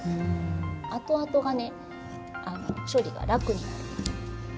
あとあとがね処理が楽になる。